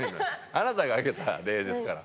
あなたが挙げた例ですから。